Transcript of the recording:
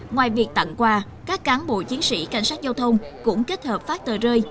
ngoài việc tặng quà các cán bộ chiến sĩ cảnh sát giao thông cũng kết hợp phát tờ rơi